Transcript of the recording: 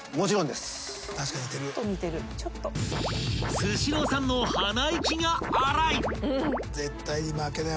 ［スシローさんの鼻息が荒い！］